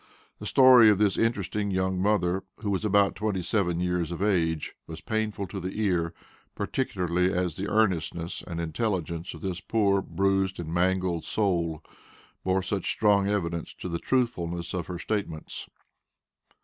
The story of this interesting young mother, who was about twenty seven years of age, was painful to the ear, particularly as the earnestness and intelligence of this poor, bruised, and mangled soul bore such strong evidence to the truthfulness of her statements.